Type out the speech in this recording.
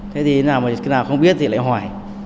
thế thì nào không biết thì lại hỏi